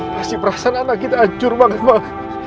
pasti perasaan anak kita ancur banget mbak